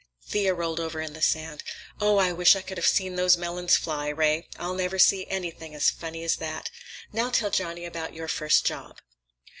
Thea rolled over in the sand. "Oh, I wish I could have seen those melons fly, Ray! I'll never see anything as funny as that. Now, tell Johnny about your first job."